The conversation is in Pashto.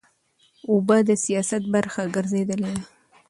اوبه د سیاست برخه ګرځېدلې ده.